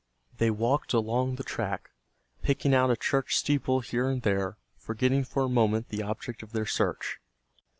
They walked along the track, picking out a church steeple here and there, forgetting for a moment the object of their search.